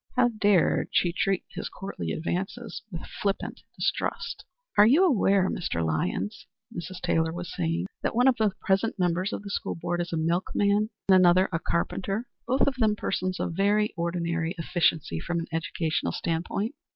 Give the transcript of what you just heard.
How dared she treat his courtly advances with flippant distrust! "Are you aware, Mr. Lyons," Mrs. Taylor was saying, "that one of the present members of the school board is a milkman, and another a carpenter both of them persons of very ordinary efficiency from an educational standpoint?